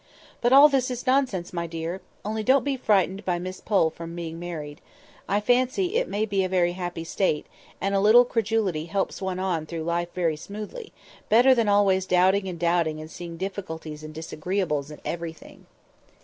But all this is nonsense, dear! only don't be frightened by Miss Pole from being married. I can fancy it may be a very happy state, and a little credulity helps one on through life very smoothly—better than always doubting and doubting and seeing difficulties and disagreeables in everything."